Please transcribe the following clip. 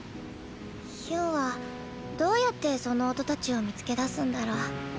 ヒュンはどうやってその音たちを見つけ出すんだろう。